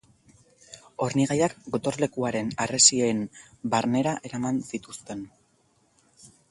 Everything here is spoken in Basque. Hornigaiak gotorlekuaren harresien barnera eraman zituzten.